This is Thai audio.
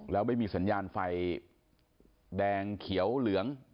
แล้วไม่มีสัญญาณไฟแดงเขียวเหลือง